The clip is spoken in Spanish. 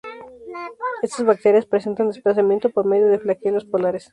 Estas bacterias presentan desplazamiento por medio de flagelos polares.